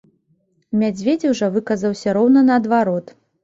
Мядзведзеў жа выказаўся роўна наадварот.